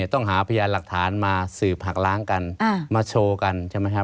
ต้องหาพยานหลักฐานมาสืบหักล้างกันมาโชว์กันใช่ไหมฮะ